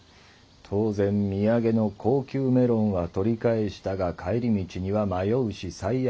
当然土産の高級メロンは取り返したが帰り道には迷うし最悪。